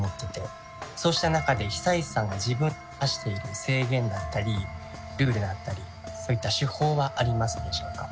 そうした中で久石さんが自分に課している制限だったりルールだったりそういった手法はありますでしょうか？